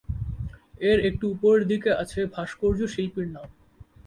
এর একটু উপরের দিকে আছে ভাস্কর্য শিল্পীর নাম।